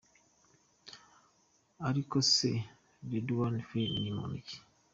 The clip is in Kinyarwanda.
Ariko se Rédoine Faïd ni muntu ki?.